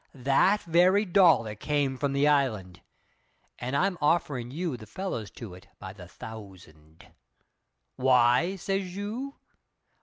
that very dollar came from the island, and I'm offerin' you the fellows to it by the thousand. Why? says you.